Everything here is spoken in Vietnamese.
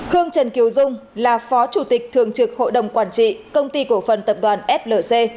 khương trần kiều dung là phó chủ tịch thường trực hội đồng quản trị công ty cổ phần tập đoàn flc